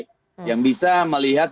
survei yang bisa melihat